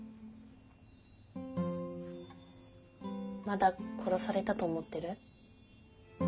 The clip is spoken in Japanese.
まだ殺されたと思ってる？